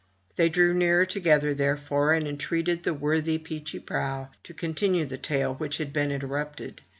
They drew nearer together, therefore, and entreated the worthy Peechy Prauw to continue the tale which had been interrupted.